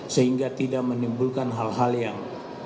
sehingga tidak menimbulkan hal hal yang